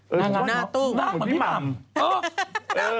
หน้าตู้นางเหมือนพี่หม่ำ